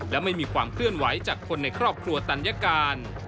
และไม่มีความเคลื่อนไหวจากคนในครอบครัวตัญการ